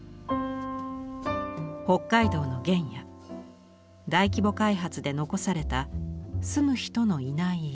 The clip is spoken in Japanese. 北海道の原野大規模開発で残された住む人のいない家。